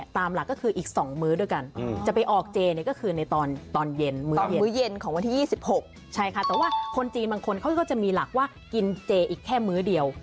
แต่ว่าคนจีนบางคนเขาก็จะมีหลักว่ากินเจอีกแค่มื้อเดียว